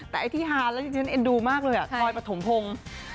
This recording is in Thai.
แต่ไอ้ที่ฮานแล้วจริงเอ็นดูมากเลยอ่ะบอยประถมพงศ์